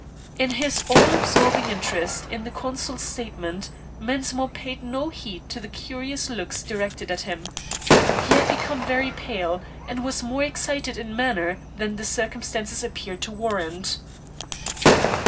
In his all absorbing interest in the consul's statement, Mensmore paid no heed to the curious looks directed at him; he had become very pale, and was more excited in manner than the circumstances appeared to warrant.